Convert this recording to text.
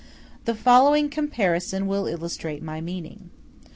] The following comparison will illustrate my meaning.